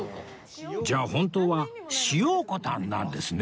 じゃあ本当は「しようこたん」なんですね